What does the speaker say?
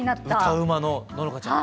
歌うまのののかちゃん。